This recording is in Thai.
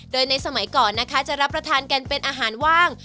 โดยในสมัยก่อนนะคะจะรับประทานกันเป็นอาหารว่าง